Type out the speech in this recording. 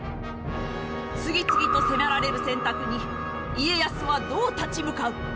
次々と迫られる選択に家康はどう立ち向かう？